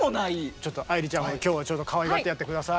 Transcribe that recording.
ちょっと愛理ちゃんを今日はちょっとかわいがってやって下さい。